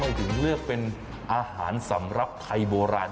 ถึงเลือกเป็นอาหารสำหรับไทยโบราณ